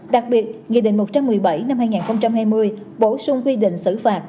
đặc biệt nghị định một trăm một mươi bảy năm hai nghìn hai mươi bổ sung quy định xử phạt